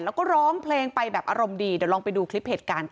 แล้วก็ร้องเพลงไปแบบอารมณ์ดีเดี๋ยวลองไปดูคลิปเหตุการณ์ค่ะ